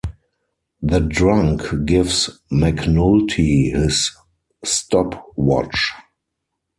The drunk gives McNulty his stopwatch.